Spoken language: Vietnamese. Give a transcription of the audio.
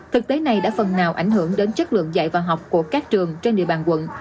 thực tế này đã phần nào ảnh hưởng đến chất lượng dạy và học của các trường trên địa bàn quận